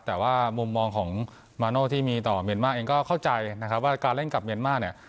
แต่ว่ามุมมองของมาโน่ที่มีต่อเมียนมาร์เองก็เข้าใจนะครับว่าการเล่นกับเมียนมาร์เนี่ย